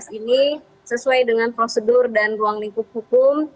dan keadilan ini sesuai dengan prosedur dan ruang lingkup hukum